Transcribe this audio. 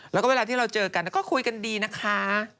แล้วก็เวลาที่เราเจอกันก็คุยกันดีนะคะ